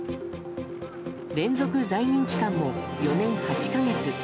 連続在任期間も４年８か月。